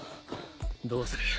どうする？